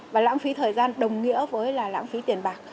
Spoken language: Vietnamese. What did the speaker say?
và lãng phí thời gian đồng nghĩa với là lãng phí tiền bạc